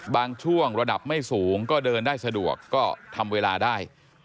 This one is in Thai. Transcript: บางช่วงระดับไม่สูงก็เดินได้สะดวกก็ทำเวลาได้